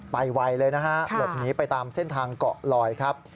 ไวเลยนะฮะหลบหนีไปตามเส้นทางเกาะลอยครับ